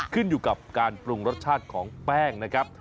ขึ้นอยู่กับการปรุงรสชาติของแป้งนะครับ